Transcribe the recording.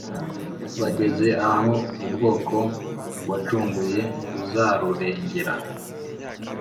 bageze aho ubwoko wacunguye buzarurengera